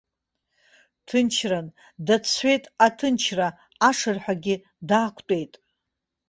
Ҭынчран, дацәшәеит аҭынчра, ашырҳәагьы даақәтәеит.